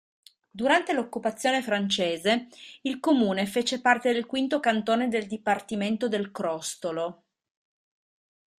Durante l'occupazione francese il comune fece parte del V Cantone del Dipartimento del Crostolo.